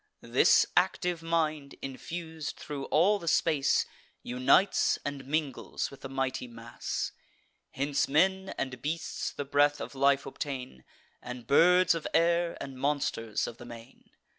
This active mind, infus'd thro' all the space, Unites and mingles with the mighty mass. Hence men and beasts the breath of life obtain, And birds of air, and monsters of the main.